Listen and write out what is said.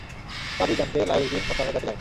তাবীর জানতে লাঈছ বিন মোশানের কাছে যায়।